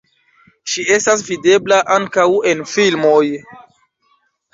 Ŝi estas videbla ankaŭ en filmoj.